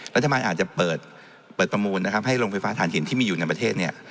รัฐบาลอาจจะเปิดประมูลนะครับให้โรงไฟฟ้าฐานหินที่มีอยู่ในประเทศเนี่ย